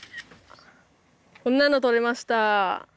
こんなの撮れました。